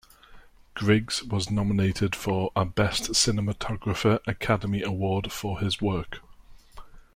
Griggs was nominated for a Best Cinematographer Academy Award for his work.